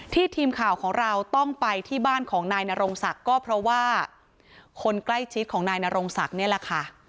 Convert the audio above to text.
ทีมข่าวของเราต้องไปที่บ้านของนายนรงศักดิ์ก็เพราะว่าคนใกล้ชิดของนายนรงศักดิ์นี่แหละค่ะ